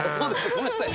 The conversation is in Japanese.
ごめんなさい。